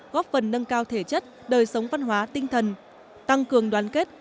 góp phần nâng cao thể chất đời sống văn hóa tinh thần tăng cường đoàn kết